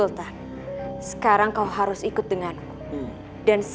lalu yang jadigatmu diert landang